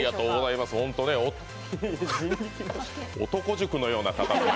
「男塾」のような方。